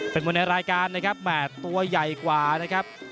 เป็นมวยในรายการนะครับแหม่ตัวใหญ่กว่านะครับ